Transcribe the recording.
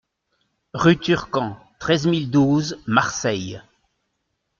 Rue Turcan, treize mille douze Marseille